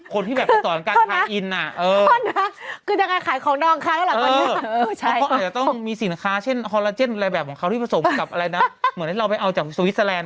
คนที่แบบกระต่อนกลางกามไพอิน